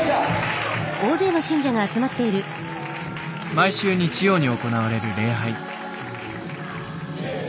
毎週日曜に行われる礼拝。